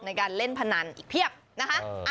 ในการเล่นพนันอีกเพียบนะคะ